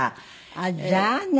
あっじゃあね。